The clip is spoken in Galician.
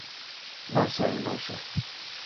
Non sei, non sei...